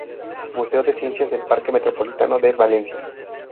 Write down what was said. Museo de ciencias del Parque Metropolitano de Valencia.